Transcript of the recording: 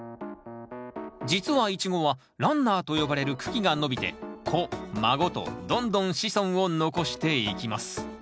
実はイチゴはランナーと呼ばれる茎が伸びて子孫とどんどん子孫を残していきます。